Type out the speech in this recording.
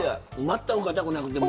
全くかたくなくて。